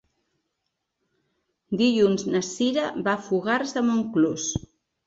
Dilluns na Cira va a Fogars de Montclús.